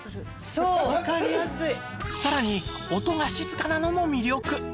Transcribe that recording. さらに音が静かなのも魅力！